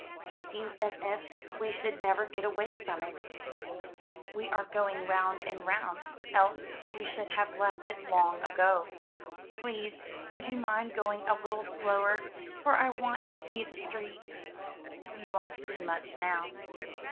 It seems as if we should never get away from it." 430 THROUGH FAIRY HALLS "We are going round and round, else we should have left it long ago/' "Please, would you mind going a little slower, for I want to see the streets?" "You won't see much now."